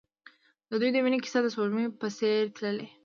د دوی د مینې کیسه د سپوږمۍ په څېر تلله.